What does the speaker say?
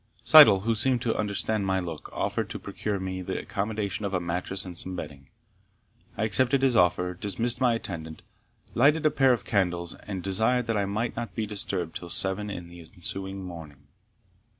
Syddall, who seemed to understand my look, offered to procure me the accommodation of a mattress and some bedding. I accepted his offer, dismissed my attendant, lighted a pair of candles, and desired that I might not be disturbed till seven in the ensuing morning.